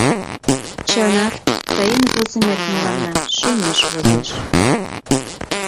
Чынак, тыйын возымет мыланна шӱмеш возеш.